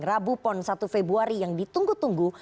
rabu pon satu februari yang ditunggu tunggu